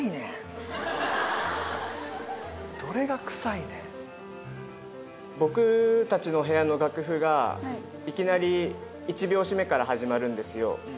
あっじゃあ僕たちの部屋の楽譜がいきなり１拍子目から始まるんですよ